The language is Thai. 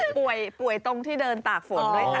ป่วยตรงที่เดินตากฝนด้วยค่ะ